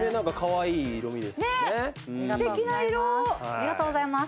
ありがとうございます。